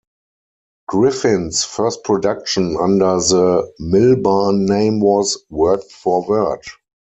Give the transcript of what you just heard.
Griffin's first production under the Milbarn name was "Word for Word".